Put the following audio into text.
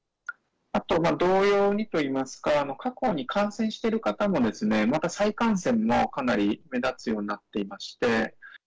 あと同様にといいますか、過去に感染している方のまた再感染も、かなり目立つようになっていまして。